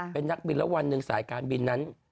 เป็นนักบินแล้ววันหนึ่งสายการบินนั้น